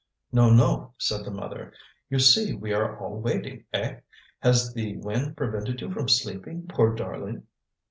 "No, no!" said the mother; "you see we are all waiting. Eh? has the wind prevented you from sleeping, poor darling?"